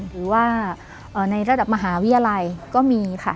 หรือว่าในระดับมหาวิทยาลัยก็มีค่ะ